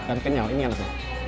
dan kenyal ini enak